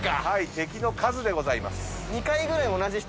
敵の数でございます。